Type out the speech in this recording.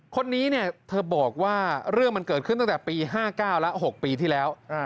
คนนี้เนี่ยเธอบอกว่าเรื่องมันเกิดขึ้นตั้งแต่ปี๕๙แล้ว๖ปีที่แล้ว